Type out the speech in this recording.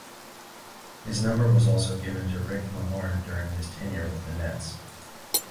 His number was also given to Rick Mahorn during his tenure with the Nets.